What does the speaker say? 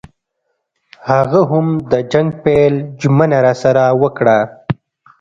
هغه هم د جنګ پیل ژمنه راسره وکړه.